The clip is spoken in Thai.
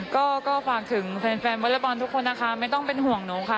ก็ฝากถึงแฟนวอเล็กบอลทุกคนนะคะไม่ต้องเป็นห่วงหนูค่ะ